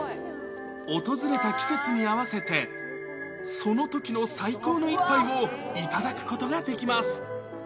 訪れた季節に合わせて、そのときの最高の一杯を頂くことができます。